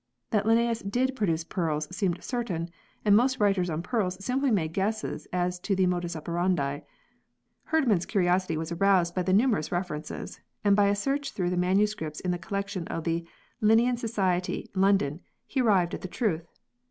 That Linnaeus did produce pearls seemed certain, and most writers on pearls simply made guesses as to the modus operandi. Herdman's curiosity was aroused by the numerous references, and by a search through the manuscripts in the Collection of the Linnean Society, London, he ar rived at the truth.